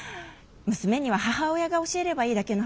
娘には母親が教えればいいだけの話では？